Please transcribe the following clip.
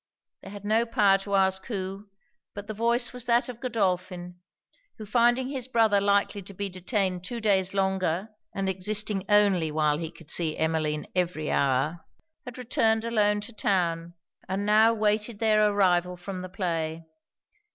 They had no power to ask who; but the voice was that of Godolphin; who finding his brother likely to be detained two days longer, and existing only while he could see Emmeline every hour, had returned alone to town, and now waited their arrival from the play.